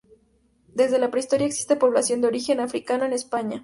Desde la prehistoria existe población de origen africano en España.